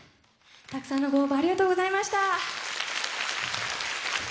たくさんのご応募ありがとうございました。